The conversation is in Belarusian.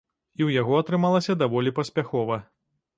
І ў яго атрымалася даволі паспяхова.